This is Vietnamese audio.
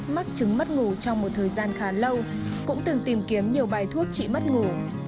mắc chứng mất ngủ trong một thời gian khá lâu cũng từng tìm kiếm nhiều bài thuốc chị mất ngủ